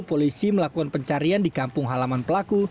polisi melakukan pencarian di kampung halaman pelaku